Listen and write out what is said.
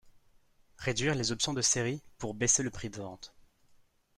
Réduire les options de série pour baisser le prix de vente.